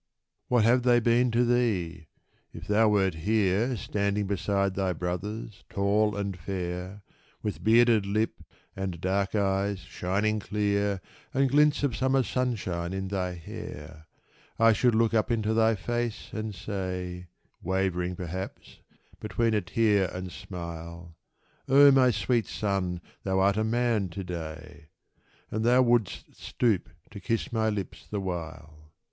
What have they been to thee ? If thou wert here Standing beside thy brothers, tall and fair, With bearded lip, and dark eyes shining clear, And glints of summer sunshine in thy hair, I should look up into thy face and say, Wavering, perhaps, between a tear and smile, " O my sweet son, thou art a man to day !"— And thou wouldst stoop to kiss my lips the while.